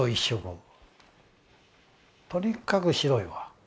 とにかく白いわ。